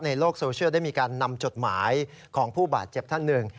ในโลกโซเชียลได้มีการนำจดหมายของผู้บาดเจ็บท่านหนึ่ง